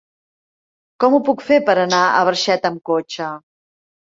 Com ho puc fer per anar a Barxeta amb cotxe?